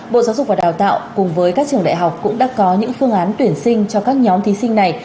bộ giáo dục và đào tạo cùng với các trường đại học cũng đã có những phương án tuyển sinh cho các nhóm thí sinh này